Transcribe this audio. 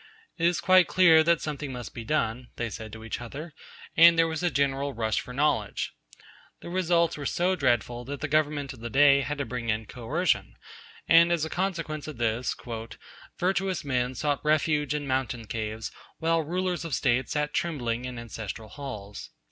'It is quite clear that something must be done,' they said to each other, and there was a general rush for knowledge. The results were so dreadful that the Government of the day had to bring in Coercion, and as a consequence of this 'virtuous men sought refuge in mountain caves, while rulers of state sat trembling in ancestral halls.'